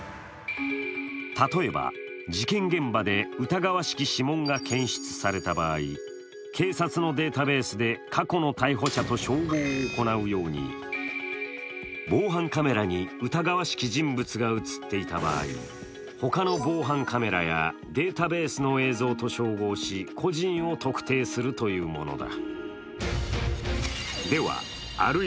例えば事件現場で疑わしき指紋が検出された場合警察のデータベースで過去の逮捕者と照合を行うように防犯カメラに疑わしき人物が映っていた場合他の防犯カメラやデータベースの映像と照合し個人を特定するというものだ。